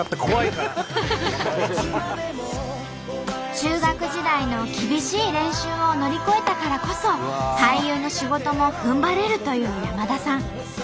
中学時代の厳しい練習を乗り越えたからこそ俳優の仕事もふんばれるという山田さん。